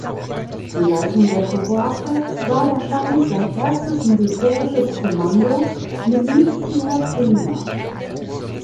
Die Leitung der Kohorte war wahrscheinlich sein erstes militärisches Kommando ("militia prima").